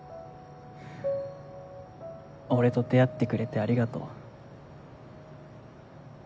俺と出会ってくれてありがとう。